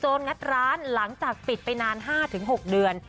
งัดร้านหลังจากปิดไปนาน๕๖เดือน